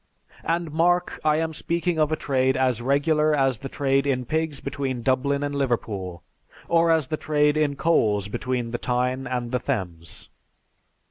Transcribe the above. And mark, I am speaking of a trade as regular as the trade in pigs between Dublin and Liverpool, or as the trade in coals between the Tyne and the Thames."